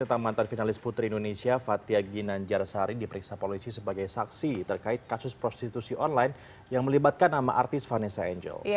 tentang mantan finalis putri indonesia fathia ginanjarsari diperiksa polisi sebagai saksi terkait kasus prostitusi online yang melibatkan nama artis vanessa angel